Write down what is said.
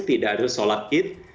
tidak ada sholat id